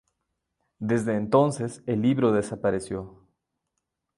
Desde entonces, el libro desapareció.